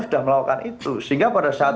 sudah melakukan itu sehingga pada saat